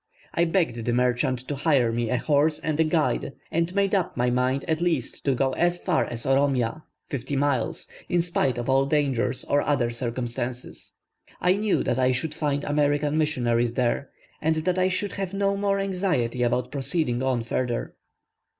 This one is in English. I begged the merchant to hire me a horse and a guide, and made up my mind at least to go as far as Oromia, fifty miles, in spite of all dangers or other circumstances. I knew that I should find American missionaries there, and that I should then have no more anxiety about proceeding on further.